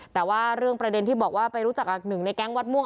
แต่ว่าเรื่องประเด็นที่บอกว่าไปรู้จักกับหนึ่งในแก๊งวัดม่วง